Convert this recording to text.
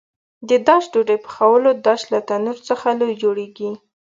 د داش ډوډۍ پخولو داش له تنور څخه لوی جوړېږي.